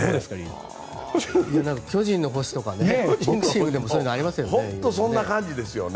「巨人の星」とかそういうのありますよね。